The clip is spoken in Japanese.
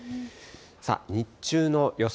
さあ、日中の予想